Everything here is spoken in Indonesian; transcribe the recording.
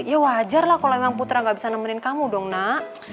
ya wajar lah kalau memang putra gak bisa nemenin kamu dong nak